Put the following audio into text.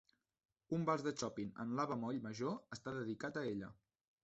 Un vals de Chopin en la bemoll major està dedicat a ella.